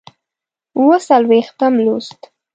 اووه څلوېښتم لوست